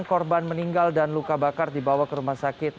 korban meninggal dan luka bakar dibawa ke rumah sakit